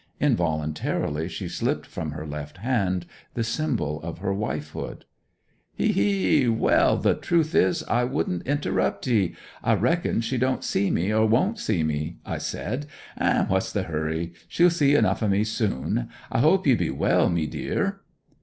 Involuntarily she slipped from her left hand the symbol of her wifehood. 'Hee hee! Well, the truth is, I wouldn't interrupt 'ee. "I reckon she don't see me, or won't see me," I said, "and what's the hurry? She'll see enough o' me soon!" I hope ye be well, mee deer?'